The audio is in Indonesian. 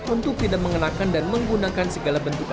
untuk tidak mengenakan dan menggunakan segala bentuk